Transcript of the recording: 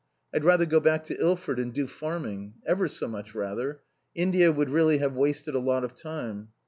I'd rather go back to Ilford and do farming. Ever so much rather. India would really have wasted a lot of time."